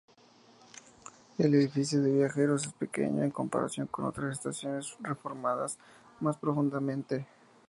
El edificio de viajeros es pequeño en comparación con otras estaciones reformadas más profundamente.